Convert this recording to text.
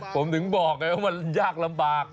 ผมถึงบอกไงว่ามันยากลำบาก